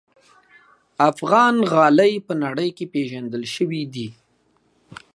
افغان غالۍ په نړۍ کې پېژندل شوي دي.